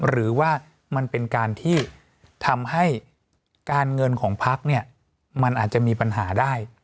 หรือว่ามันเป็นการที่ทำให้การเงินของพักเนี่ยมันอาจจะมีปัญหาได้